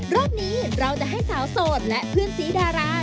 รอบนี้เราจะให้สาวโสดและเพื่อนสีดารา